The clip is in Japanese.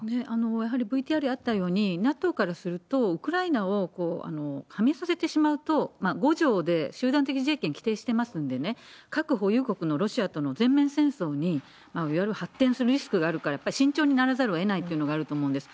やはりＶＴＲにあったように、ＮＡＴＯからすると、ウクライナを加盟させてしまうと、５条で集団的自衛権規定してますんでね、核保有国のロシアとの全面戦争により発展するリスクがあるから、やっぱり慎重にざるをえないというのもあると思うんです。